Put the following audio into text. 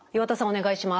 お願いします。